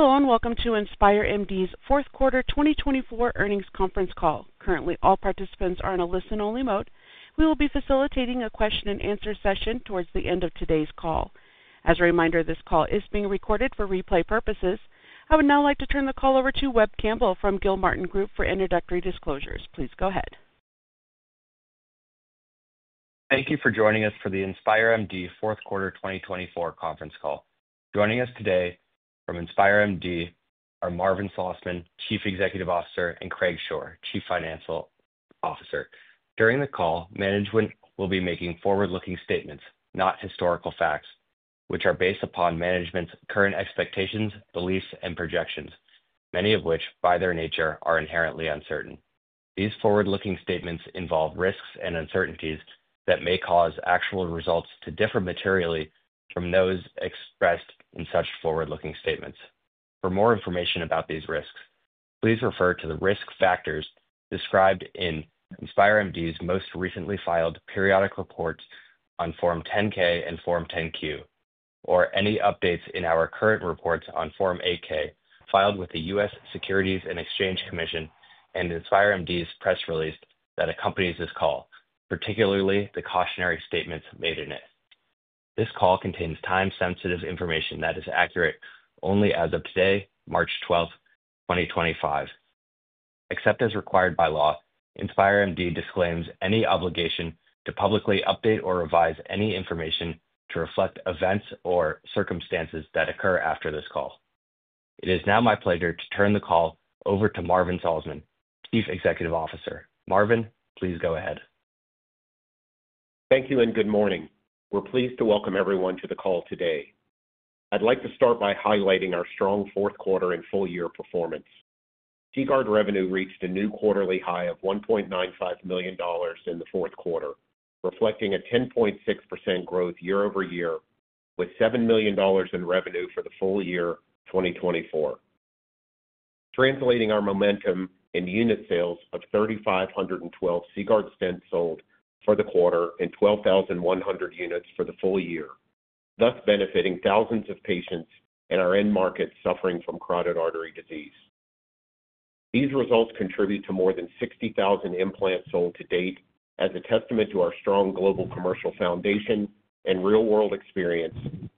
Hello, and welcome to InspireMD's fourth quarter 2024 earnings conference call. Currently, all participants are in a listen-only mode. We will be facilitating a question-and-answer session towards the end of today's call. As a reminder, this call is being recorded for replay purposes. I would now like to turn the call over to Webb Campbell from Gilmartin Group for introductory disclosures. Please go ahead. Thank you for joining us for the InspireMD Fourth Quarter 2024 Conference Call. Joining us today from InspireMD are Marvin Slosman, Chief Executive Officer, and Craig Shore, Chief Financial Officer. During the call, management will be making forward-looking statements, not historical facts, which are based upon management's current expectations, beliefs, and projections, many of which, by their nature, are inherently uncertain. These forward-looking statements involve risks and uncertainties that may cause actual results to differ materially from those expressed in such forward-looking statements. For more information about these risks, please refer to the risk factors described in InspireMD's most recently filed periodic reports on Form 10-K and Form 10-Q, or any updates in our current reports on Form 8-K filed with the U.S. Securities and Exchange Commission and InspireMD's press release that accompanies this call, particularly the cautionary statements made in it. This call contains time-sensitive information that is accurate only as of today, March 12th, 2025. Except as required by law, InspireMD disclaims any obligation to publicly update or revise any information to reflect events or circumstances that occur after this call. It is now my pleasure to turn the call over to Marvin Slosman, Chief Executive Officer. Marvin, please go ahead. Thank you, and good morning. We're pleased to welcome everyone to the call today. I'd like to start by highlighting our strong fourth quarter and full-year performance. CGuard's revenue reached a new quarterly high of $1.95 million in the fourth quarter, reflecting a 10.6% growth year-over-year, with $7 million in revenue for the full year 2024. Translating our momentum in unit sales of 3,512 CGuard stents sold for the quarter and 12,100 units for the full year, thus benefiting thousands of patients in our end markets suffering from carotid artery disease. These results contribute to more than 60,000 implants sold to date, as a testament to our strong global commercial foundation and real-world experience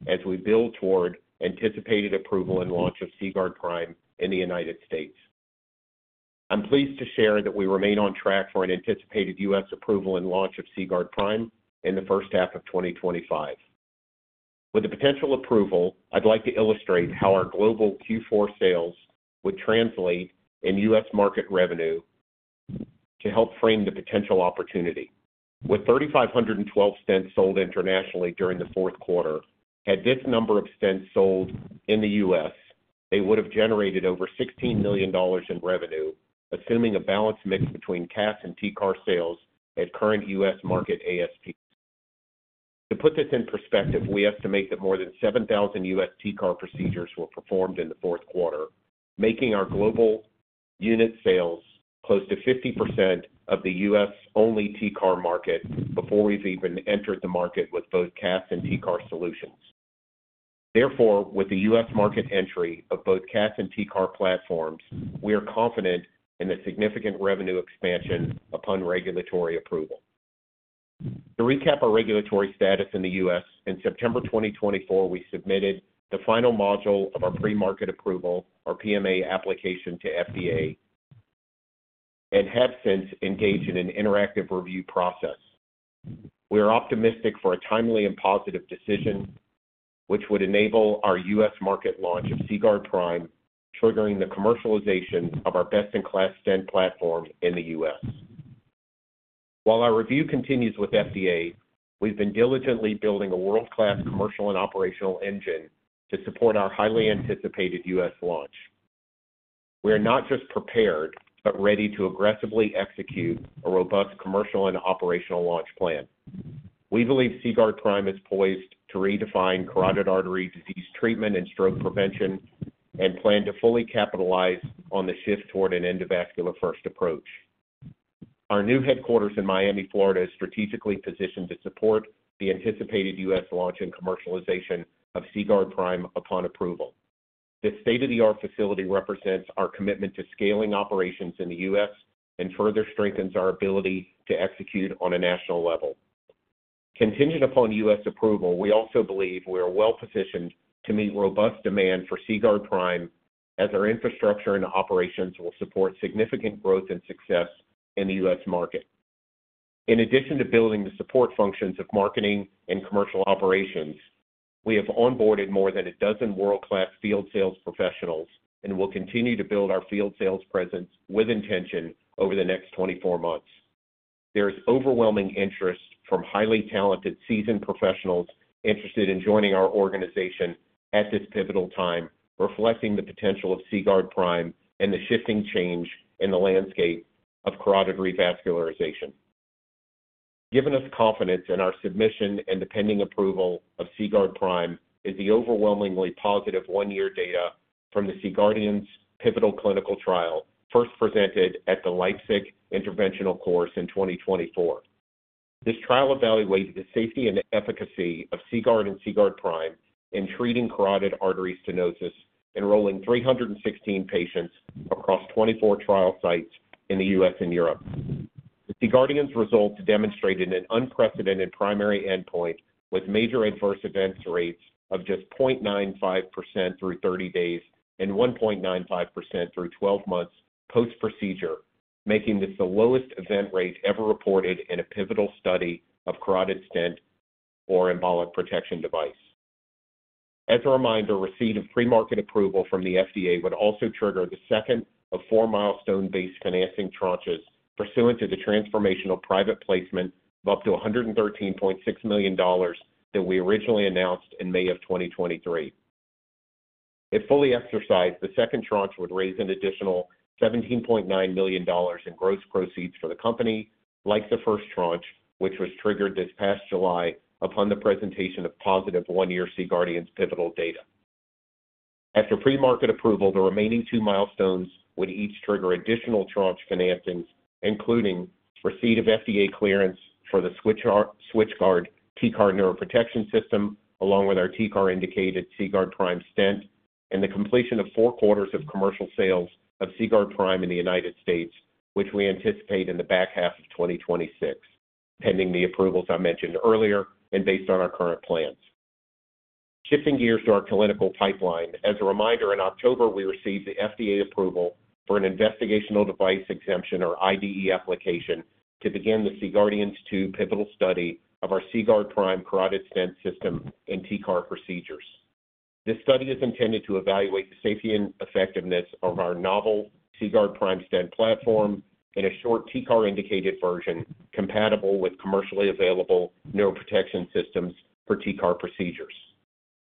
as we build toward anticipated approval and launch of CGuard Prime in the U.S. I'm pleased to share that we remain on track for an anticipated U.S. approval and launch of CGuard Prime in the first half of 2025. With the potential approval, I'd like to illustrate how our global Q4 sales would translate in U.S. market revenue to help frame the potential opportunity. With 3,512 stents sold internationally during the fourth quarter, had this number of stents sold in the U.S., they would have generated over $16 million in revenue, assuming a balanced mix between CAS and TCAR sales at current U.S. market ASPs. To put this in perspective, we estimate that more than 7,000 U.S. TCAR procedures were performed in the fourth quarter, making our global unit sales close to 50% of the U.S.-only TCAR market before we've even entered the market with both CAS and TCAR solutions. Therefore, with the U.S. market entry of both CAS and TCAR platforms, we are confident in the significant revenue expansion upon regulatory approval. To recap our regulatory status in the U.S., in September 2024, we submitted the final module of our premarket approval, our PMA application to FDA, and have since engaged in an interactive review process. We are optimistic for a timely and positive decision, which would enable our U.S. market launch of CGuard Prime, triggering the commercialization of our best-in-class stent platform in the U.S. While our review continues with FDA, we've been diligently building a world-class commercial and operational engine to support our highly anticipated U.S. launch. We are not just prepared, but ready to aggressively execute a robust commercial and operational launch plan. We believe CGuard Prime is poised to redefine carotid artery disease treatment and stroke prevention and plan to fully capitalize on the shift toward an endovascular-first approach. Our new headquarters in Miami, Florida, is strategically positioned to support the anticipated U.S. Launch and commercialization of CGuard Prime upon approval. This state-of-the-art facility represents our commitment to scaling operations in the U.S. and further strengthens our ability to execute on a national level. Contingent upon U.S. approval, we also believe we are well-positioned to meet robust demand for CGuard Prime, as our infrastructure and operations will support significant growth and success in the U.S. market. In addition to building the support functions of marketing and commercial operations, we have onboarded more than a dozen world-class field sales professionals and will continue to build our field sales presence with intention over the next 24 months. There is overwhelming interest from highly talented seasoned professionals interested in joining our organization at this pivotal time, reflecting the potential of CGuard Prime and the shifting change in the landscape of carotid revascularization. Given us confidence in our submission and the pending approval of CGuard Prime is the overwhelmingly positive one-year data from the C-GUARDIANS pivotal clinical trial, first presented at the Leipzig Interventional Course in 2024. This trial evaluated the safety and efficacy of CGuard and CGuard Prime in treating carotid artery stenosis, enrolling 316 patients across 24 trial sites in the U.S. and Europe. The C-GUARDIANS results demonstrated an unprecedented primary endpoint with major adverse events rates of just 0.95% through 30 days and 1.95% through 12 months post-procedure, making this the lowest event rate ever reported in a pivotal study of carotid stent or embolic protection device. As a reminder, receipt of pre-market approval from the FDA would also trigger the second of four milestone-based financing tranches pursuant to the transformational private placement of up to $113.6 million that we originally announced in May of 2023. If fully exercised, the second tranche would raise an additional $17.9 million in gross proceeds for the company, like the first tranche, which was triggered this past July upon the presentation of positive one-year C-GUARDIANS pivotal data. After pre-market approval, the remaining two milestones would each trigger additional tranche financings, including receipt of FDA clearance for the SwitchGuard TCAR neuroprotection system, along with our TCAR-indicated CGuard Prime stent, and the completion of four quarters of commercial sales of CGuard Prime in the United States, which we anticipate in the back half of 2026, pending the approvals I mentioned earlier and based on our current plans. Shifting gears to our clinical pipeline, as a reminder, in October, we received the FDA approval for an investigational device exemption, or IDE, application to begin the C-GUARDIANS II pivotal study of our CGuard Prime carotid stent system and TCAR procedures. This study is intended to evaluate the safety and effectiveness of our novel CGuard Prime stent platform in a short TCAR-indicated version compatible with commercially available neuroprotection systems for TCAR procedures.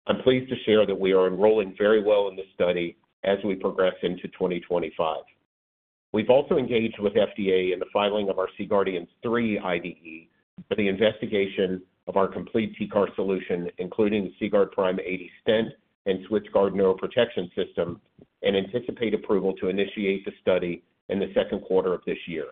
I'm pleased to share that we are enrolling very well in this study as we progress into 2025. We've also engaged with FDA in the filing of our CGuard Prime IDE for the investigation of our complete TCAR solution, including the CGuard Prime 80 stent and SwitchGuard neuroprotection system, and anticipate approval to initiate the study in the second quarter of this year.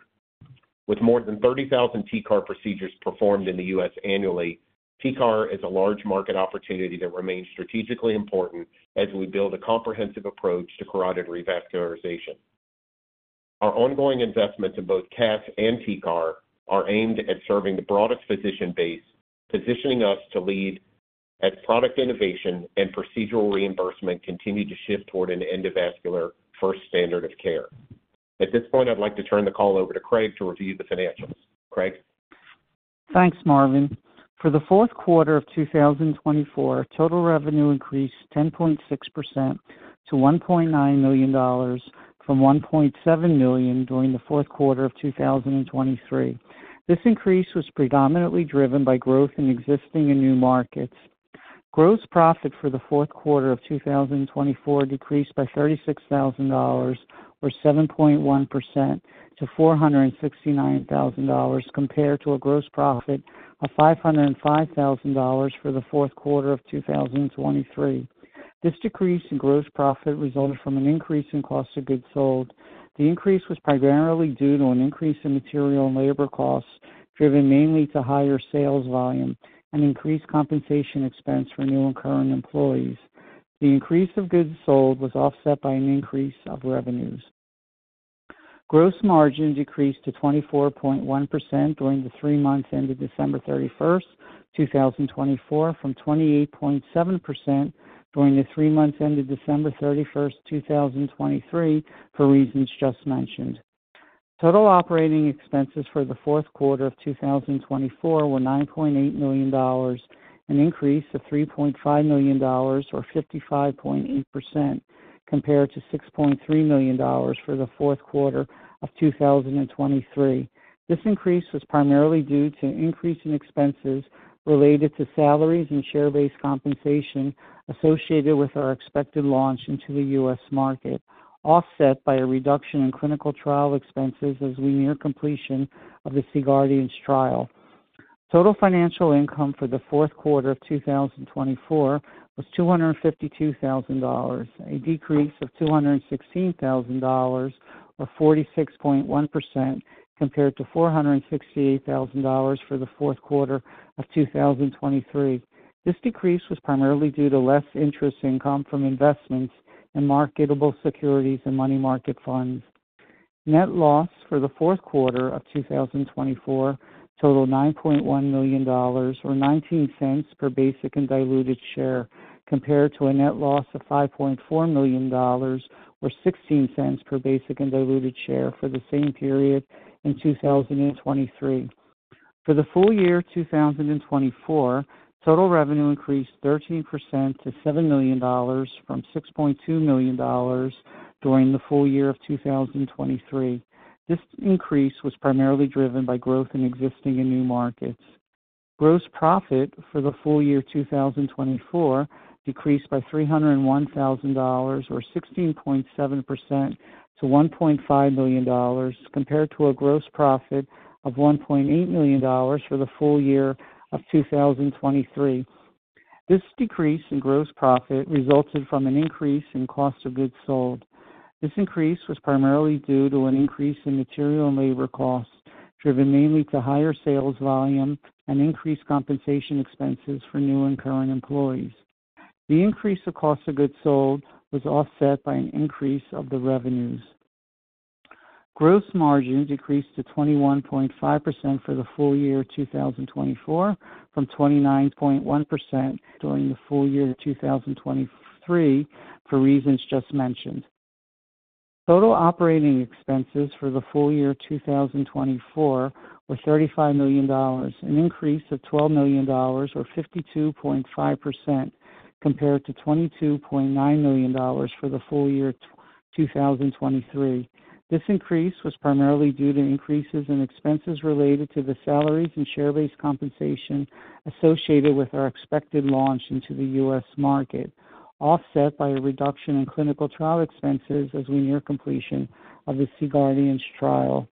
With more than 30,000 TCAR procedures performed in the U.S. annually, TCAR is a large market opportunity that remains strategically important as we build a comprehensive approach to carotid revascularization. Our ongoing investments in both CAS and TCAR are aimed at serving the broadest physician base, positioning us to lead as product innovation and procedural reimbursement continue to shift toward an endovascular-first standard of care. At this point, I'd like to turn the call over to Craig to review the financials. Craig. Thanks, Marvin. For the fourth quarter of 2024, total revenue increased 10.6% to $1.9 million from $1.7 million during the fourth quarter of 2023. This increase was predominantly driven by growth in existing and new markets. Gross profit for the fourth quarter of 2024 decreased by $36,000, or 7.1%, to $469,000, compared to a gross profit of $505,000 for the fourth quarter of 2023. This decrease in gross profit resulted from an increase in cost of goods sold. The increase was primarily due to an increase in material and labor costs driven mainly to higher sales volume and increased compensation expense for new and current employees. The increase of goods sold was offset by an increase of revenues. Gross margin decreased to 24.1% during the three months ended December 31st, 2024, from 28.7% during the three months ended December 31st, 2023, for reasons just mentioned. Total operating expenses for the fourth quarter of 2024 were $9.8 million, an increase of $3.5 million, or 55.8%, compared to $6.3 million for the fourth quarter of 2023. This increase was primarily due to increasing expenses related to salaries and share-based compensation associated with our expected launch into the U.S. market, offset by a reduction in clinical trial expenses as we near completion of the CGuard Prime trial. Total financial income for the fourth quarter of 2024 was $252,000, a decrease of $216,000, or 46.1%, compared to $468,000 for the fourth quarter of 2023. This decrease was primarily due to less interest income from investments in marketable securities and money market funds. Net loss for the fourth quarter of 2024 totaled $9.1 million, or $0.19 per basic and diluted share, compared to a net loss of $5.4 million, or $0.16 per basic and diluted share for the same period in 2023. For the full year 2024, total revenue increased 13% to $7 million from $6.2 million during the full year of 2023. This increase was primarily driven by growth in existing and new markets. Gross profit for the full year 2024 decreased by $301,000, or 16.7%, to $1.5 million, compared to a gross profit of $1.8 million for the full year of 2023. This decrease in gross profit resulted from an increase in cost of goods sold. This increase was primarily due to an increase in material and labor costs driven mainly to higher sales volume and increased compensation expenses for new and current employees. The increase of cost of goods sold was offset by an increase of the revenues. Gross margin decreased to 21.5% for the full year 2024 from 29.1% during the full year 2023 for reasons just mentioned. Total operating expenses for the full year 2024 were $35 million, an increase of $12 million, or 52.5%, compared to $22.9 million for the full year 2023. This increase was primarily due to increases in expenses related to the salaries and share-based compensation associated with our expected launch into the U.S. market, offset by a reduction in clinical trial expenses as we near completion of the CGuard Prime trial.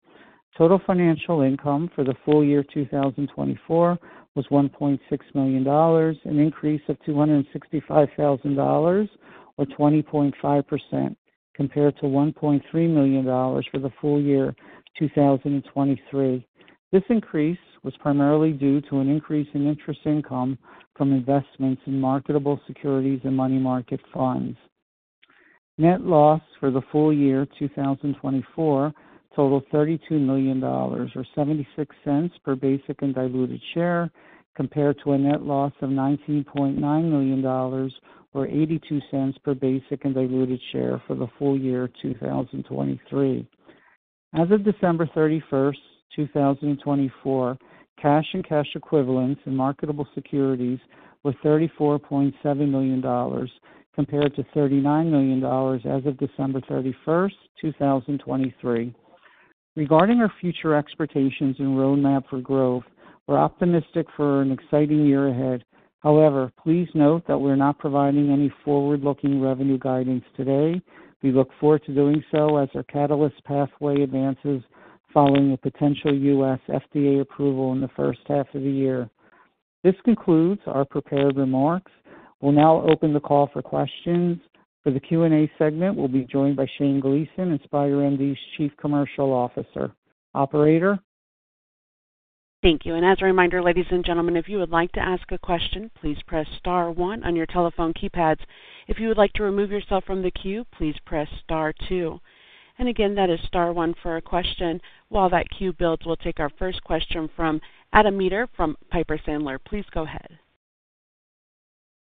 Total financial income for the full year 2024 was $1.6 million, an increase of $265,000, or 20.5%, compared to $1.3 million for the full year 2023. This increase was primarily due to an increase in interest income from investments in marketable securities and money market funds. Net loss for the full year 2024 totaled $32 million, or $0.76 per basic and diluted share, compared to a net loss of $19.9 million, or $0.82 per basic and diluted share for the full year 2023. As of December 31, 2024, cash and cash equivalents in marketable securities were $34.7 million, compared to $39 million as of December 31, 2023. Regarding our future expectations and roadmap for growth, we're optimistic for an exciting year ahead. However, please note that we're not providing any forward-looking revenue guidance today. We look forward to doing so as our Catalyst pathway advances following a potential U.S. FDA approval in the first half of the year. This concludes our prepared remarks. We'll now open the call for questions. For the Q&A segment, we'll be joined by Shane Gleason, InspireMD's Chief Commercial Officer. Operator. Thank you. As a reminder, ladies and gentlemen, if you would like to ask a question, please press star one on your telephone keypads. If you would like to remove yourself from the queue, please press star two. Again, that is star one for a question. While that queue builds, we will take our first question from Adam Maeder from Piper Sandler. Please go ahead.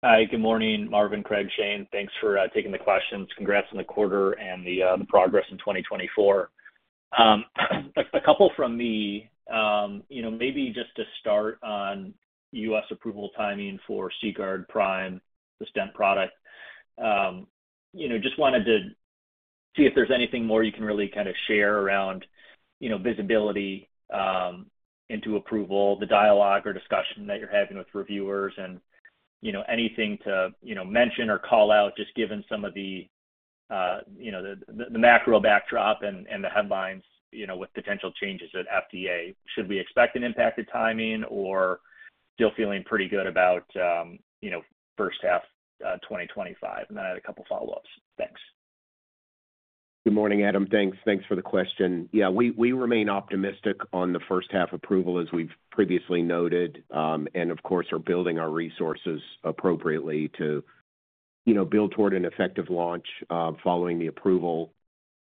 Hi, good morning, Marvin, Craig, Shane. Thanks for taking the questions. Congrats on the quarter and the progress in 2024. A couple from me, maybe just to start on U.S. approval timing for CGuard Prime, the stent product. Just wanted to see if there's anything more you can really kind of share around visibility into approval, the dialogue or discussion that you're having with reviewers, and anything to mention or call out, just given some of the macro backdrop and the headlines with potential changes at FDA. Should we expect an impacted timing or still feeling pretty good about first half 2025? I had a couple of follow-ups. Thanks. Good morning, Adam. Thanks for the question. Yeah, we remain optimistic on the first half approval, as we've previously noted, and of course, are building our resources appropriately to build toward an effective launch following the approval.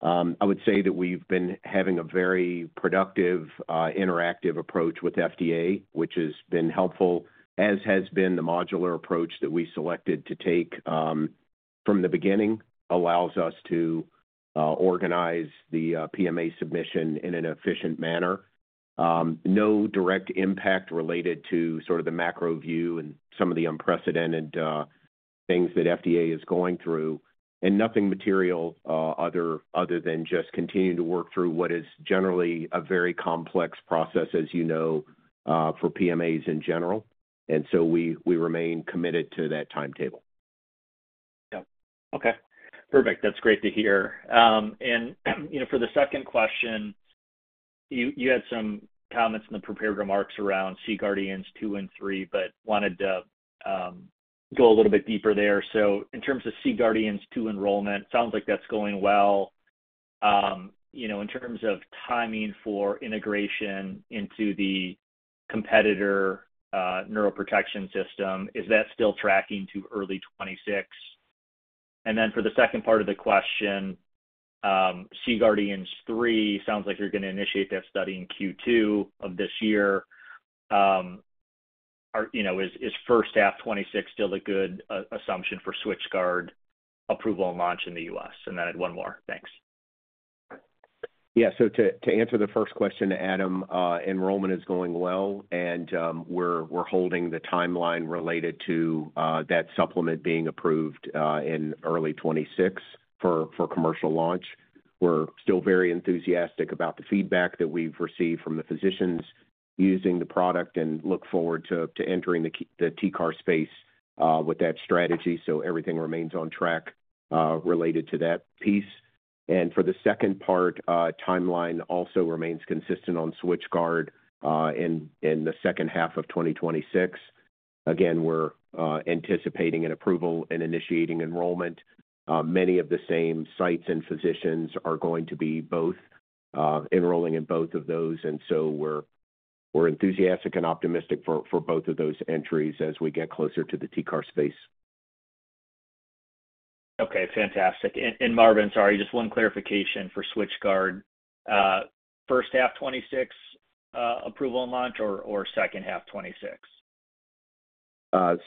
I would say that we've been having a very productive, interactive approach with FDA, which has been helpful, as has been the modular approach that we selected to take from the beginning, allows us to organize the PMA submission in an efficient manner. No direct impact related to sort of the macro view and some of the unprecedented things that FDA is going through, and nothing material other than just continuing to work through what is generally a very complex process, as you know, for PMAs in general. We remain committed to that timetable. Yeah. Okay. Perfect. That's great to hear. For the second question, you had some comments in the prepared remarks around CGuard Prime two and three, but wanted to go a little bit deeper there. In terms of CGuard Prime two enrollment, it sounds like that's going well. In terms of timing for integration into the competitor neuroprotection system, is that still tracking to early 2026? For the second part of the question, CGuard Prime three, it sounds like you're going to initiate that study in Q2 of this year. Is first half 2026 still a good assumption for SwitchGuard approval and launch in the U.S.? I had one more. Thanks. Yeah. To answer the first question, Adam, enrollment is going well, and we're holding the timeline related to that supplement being approved in early 2026 for commercial launch. We're still very enthusiastic about the feedback that we've received from the physicians using the product and look forward to entering the TCAR space with that strategy. Everything remains on track related to that piece. For the second part, timeline also remains consistent on SwitchGuard in the second half of 2026. Again, we're anticipating an approval and initiating enrollment. Many of the same sites and physicians are going to be enrolling in both of those. We're enthusiastic and optimistic for both of those entries as we get closer to the TCAR space. Okay. Fantastic. Marvin, sorry, just one clarification for SwitchGuard. First half 2026 approval and launch or second half 2026?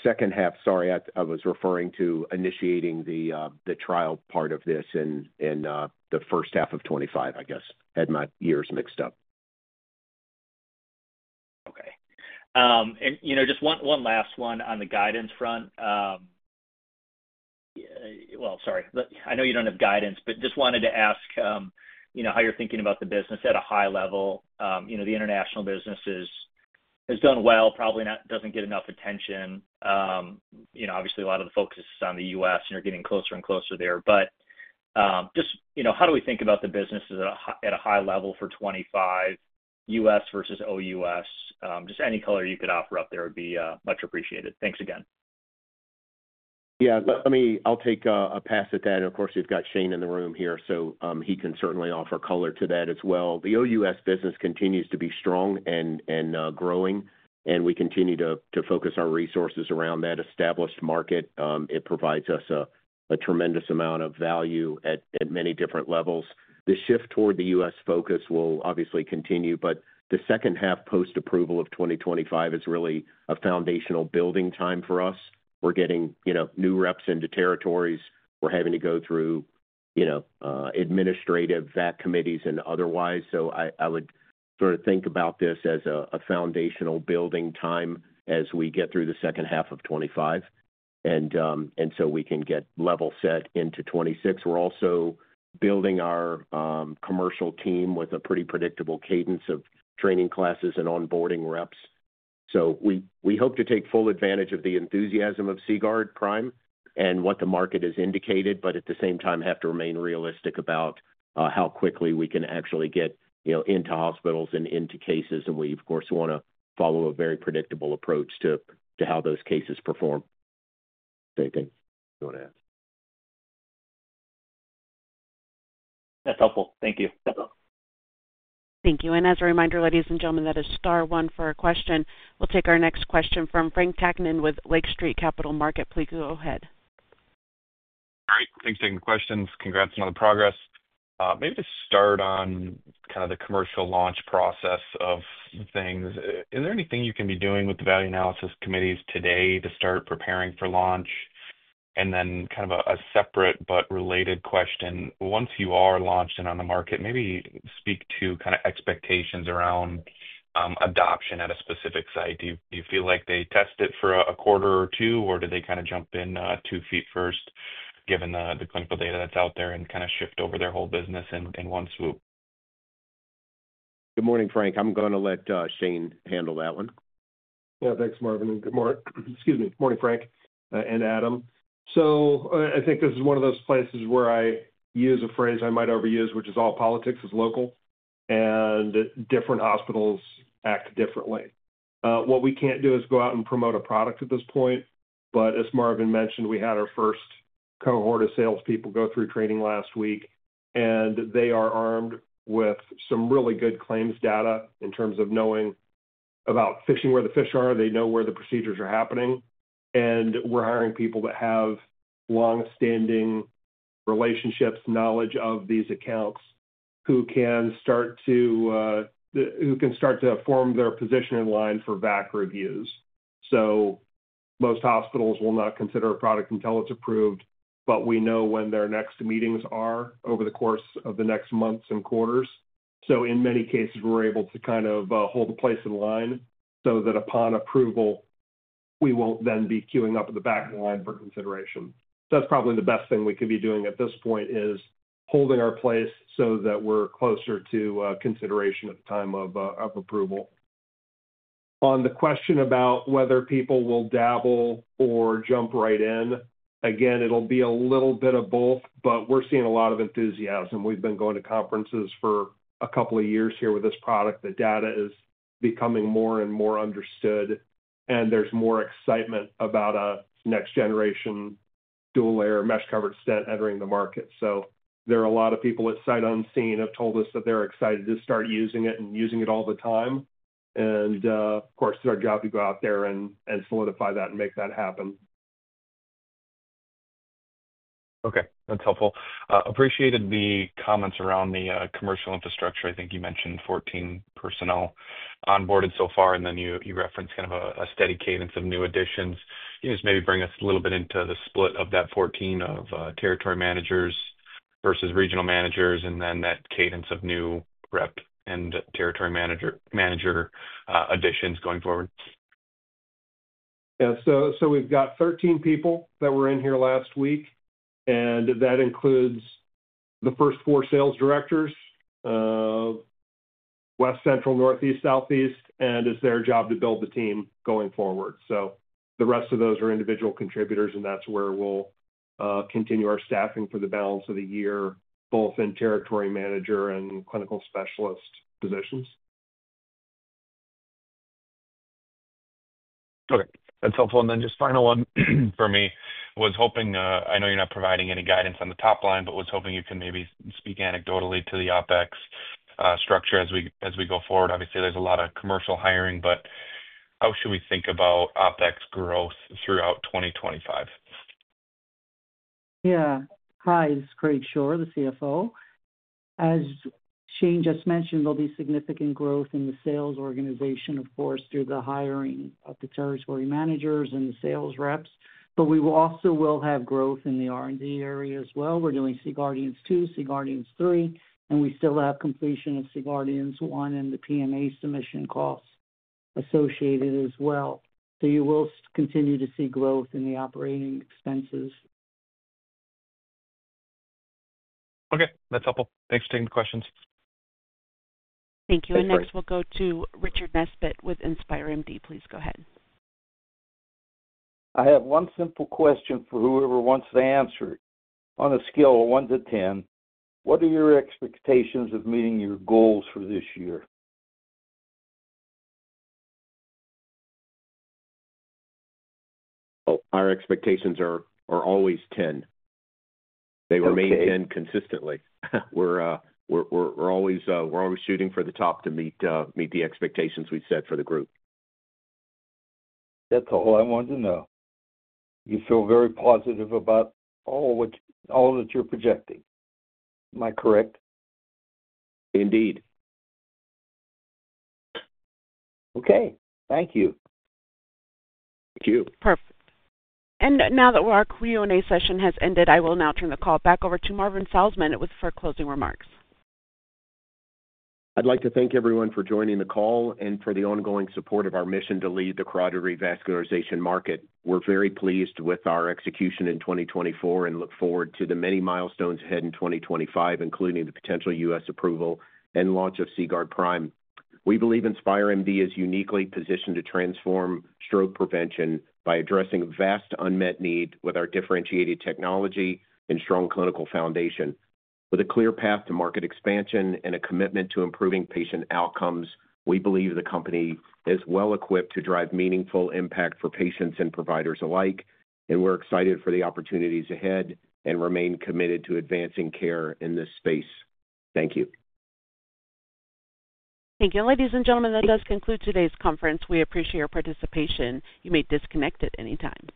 Second half, sorry. I was referring to initiating the trial part of this in the first half of 2025, I guess. Had my years mixed up. Okay. Just one last one on the guidance front. Sorry. I know you don't have guidance, but just wanted to ask how you're thinking about the business at a high level. The international business has done well, probably doesn't get enough attention. Obviously, a lot of the focus is on the U.S., and you're getting closer and closer there. Just how do we think about the business at a high level for 2025, U.S. versus OUS? Just any color you could offer up there would be much appreciated. Thanks again. Yeah. I'll take a pass at that. Of course, you've got Shane in the room here, so he can certainly offer color to that as well. The OUS business continues to be strong and growing, and we continue to focus our resources around that established market. It provides us a tremendous amount of value at many different levels. The shift toward the U.S. focus will obviously continue, but the second half post-approval of 2025 is really a foundational building time for us. We're getting new reps into territories. We're having to go through administrative VAC committees and otherwise. I would sort of think about this as a foundational building time as we get through the second half of 2025, and we can get level set into 2026. We're also building our commercial team with a pretty predictable cadence of training classes and onboarding reps. We hope to take full advantage of the enthusiasm of CGuard Prime and what the market has indicated, but at the same time, have to remain realistic about how quickly we can actually get into hospitals and into cases. We, of course, want to follow a very predictable approach to how those cases perform. Okay. Thanks. Go ahead. That's helpful. Thank you. Thank you. As a reminder, ladies and gentlemen, that is star one for a question. We'll take our next question from Frank Takkinen with Lake Street Capital Markets. Please go ahead. All right. Thanks for taking the questions. Congrats on the progress. Maybe to start on kind of the commercial launch process of things, is there anything you can be doing with the value analysis committees today to start preparing for launch? Also, kind of a separate but related question. Once you are launched and on the market, maybe speak to kind of expectations around adoption at a specific site. Do you feel like they test it for a quarter or two, or do they kind of jump in two feet first, given the clinical data that's out there, and kind of shift over their whole business in one swoop? Good morning, Frank. I'm going to let Shane handle that one. Yeah. Thanks, Marvin. Good morning. Excuse me. Good morning, Frank and Adam. I think this is one of those places where I use a phrase I might overuse, which is, "All politics is local," and different hospitals act differently. What we can't do is go out and promote a product at this point, but as Marvin mentioned, we had our first cohort of salespeople go through training last week, and they are armed with some really good claims data in terms of knowing about fishing where the fish are. They know where the procedures are happening. We're hiring people that have long-standing relationships, knowledge of these accounts, who can start to form their position in line for VAC reviews. Most hospitals will not consider a product until it's approved, but we know when their next meetings are over the course of the next months and quarters. In many cases, we're able to kind of hold a place in line so that upon approval, we won't then be queuing up at the back line for consideration. That's probably the best thing we could be doing at this point, holding our place so that we're closer to consideration at the time of approval. On the question about whether people will dabble or jump right in, again, it'll be a little bit of both, but we're seeing a lot of enthusiasm. We've been going to conferences for a couple of years here with this product. The data is becoming more and more understood, and there's more excitement about a next-generation dual-layer mesh-covered stent entering the market. There are a lot of people at site unseen have told us that they're excited to start using it and using it all the time. Of course, it's our job to go out there and solidify that and make that happen. Okay. That's helpful. Appreciated the comments around the commercial infrastructure. I think you mentioned 14 personnel onboarded so far, and then you referenced kind of a steady cadence of new additions. Can you just maybe bring us a little bit into the split of that 14 of territory managers versus regional managers, and then that cadence of new rep and territory manager additions going forward? Yeah. We have 13 people that were in here last week, and that includes the first four sales directors, West, Central, Northeast, Southeast, and it's their job to build the team going forward. The rest of those are individual contributors, and that's where we'll continue our staffing for the balance of the year, both in territory manager and clinical specialist positions. Okay. That's helpful. Just final one for me. I know you're not providing any guidance on the top line, but was hoping you can maybe speak anecdotally to the OpEx structure as we go forward. Obviously, there's a lot of commercial hiring, but how should we think about OpEx growth throughout 2025? Yeah. Hi, this is Craig Shore, the CFO. As Shane just mentioned, there'll be significant growth in the sales organization, of course, through the hiring of the territory managers and the sales reps, but we also will have growth in the R&D area as well. We're doing C-GUARDIANS II, C-GUARDIANS III, and we still have completion of C-GUARDIANS I and the PMA submission costs associated as well. You will continue to see growth in the operating expenses. Okay. That's helpful. Thanks for taking the questions. Thank you. Next, we'll go to Richard Nesbitt with InspireMD. Please go ahead. I have one simple question for whoever wants to answer. On a scale of 1 to 10, what are your expectations of meeting your goals for this year? Oh, our expectations are always 10. They remain 10 consistently. We're always shooting for the top to meet the expectations we set for the group. That's all I wanted to know. You feel very positive about all that you're projecting. Am I correct? Indeed. Okay. Thank you. Thank you. Perfect. Now that our Q&A session has ended, I will now turn the call back over to Marvin Slosman with closing remarks. I'd like to thank everyone for joining the call and for the ongoing support of our mission to lead the carotid revascularization market. We're very pleased with our execution in 2024 and look forward to the many milestones ahead in 2025, including the potential U.S. approval and launch of CGuard Prime. We believe InspireMD is uniquely positioned to transform stroke prevention by addressing vast unmet needs with our differentiated technology and strong clinical foundation. With a clear path to market expansion and a commitment to improving patient outcomes, we believe the company is well equipped to drive meaningful impact for patients and providers alike, and we're excited for the opportunities ahead and remain committed to advancing care in this space. Thank you. Thank you. Ladies and gentlemen, that does conclude today's conference. We appreciate your participation. You may disconnect at any time.